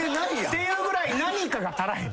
っていうぐらい何かが足らへん。